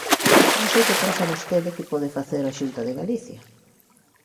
Non sei que pensa vostede que pode facer a Xunta de Galicia.